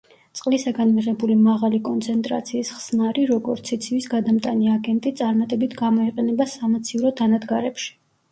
წყლისაგან მიღებული მაღალი კონცენტრაციის ხსნარი, როგორც სიცივის გადამტანი აგენტი, წარმატებით გამოიყენება სამაცივრო დანადგარებში.